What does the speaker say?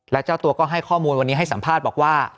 และเจ้าตัวก็ให้ข้อมูลวันนี้ให้สัมภาษณ์บอกว่า